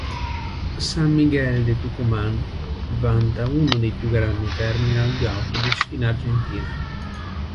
San Miguel de Tucumán vanta uno dei più grandi terminal di autobus in Argentina.